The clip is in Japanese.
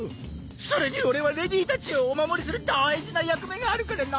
それに俺はレディーたちをお守りする大事な役目があるからな。